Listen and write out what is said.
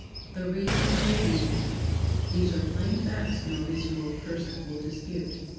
[Sidenote: THE REASONABLE VIEW] These are plain facts no reasonable person will dispute.